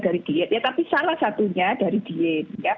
dari diet ya tapi salah satunya dari diet